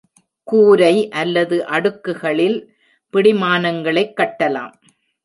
கூரை அல்லது அடுக்குகளில் பிடிமானங்களைக் கட்டலாம்.